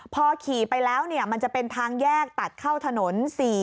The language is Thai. พอขี่ไปแล้วมันจะเป็นทางแยกตัดเข้าถนน๔๔